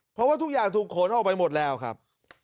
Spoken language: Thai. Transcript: เพราะว่าทุกอย่างถูกขนออกไปหมดแล้วครับ